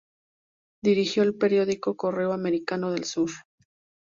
Dirigió el periódico "Correo Americano del Sur".